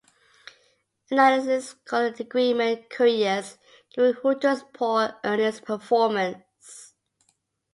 Analysts called the agreement "curious" given Hooters's poor earnings performance.